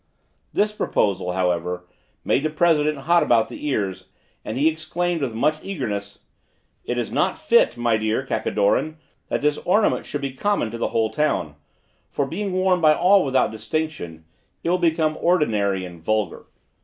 This proposal, however, made the president hot about the ears, and he exclaimed with much eagerness: "It is not fit, my dear Kakidoran, that this ornament should be common to the whole town, for being worn by all without distinction, it will become ordinary and vulgar.